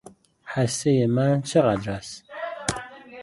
حصۀ من چقدر است